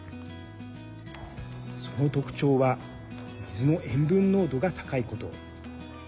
その特徴は水の塩分濃度が高いこと。